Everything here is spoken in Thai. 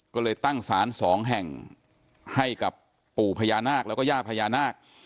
ก็เลยตั้งสารสองแห่งให้กับปู่พญานาคแล้วก็ย่าพญานาค